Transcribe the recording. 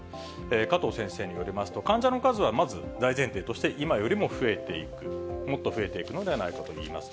加藤先生によりますと、患者の数はまず大前提として、今よりも増えていく、もっと増えていくのではないかといいます。